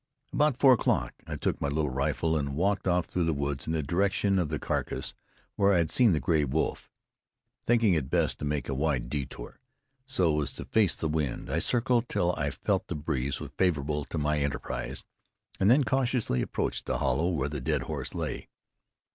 About four o'clock, I took my little rifle and walked off through the woods in the direction of the carcass where I had seen the gray wolf. Thinking it best to make a wide detour, so as to face the wind, I circled till I felt the breeze was favorable to my enterprise, and then cautiously approached the hollow were the dead horse lay.